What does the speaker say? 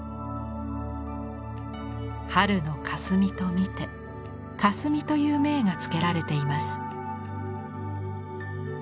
春の霞と見て「かすみ」という銘が付けられています。